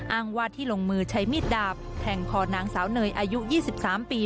อ้างว่าที่ลงมือใช้มีดดาบแทงคอนางสาวเนยอายุ๒๓ปี